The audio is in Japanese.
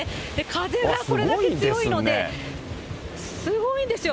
風がこれだけ強いので、すごいんですよ。